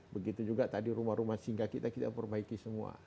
begitu juga tadi rumah rumah singgah kita kita perbaiki semua